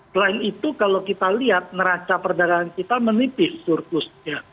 selain itu kalau kita lihat neraca perdagangan kita menipis surplusnya